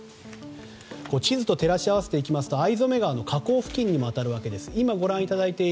地図と照らし合わせていくと逢初川の河口付近にも当たるわけです。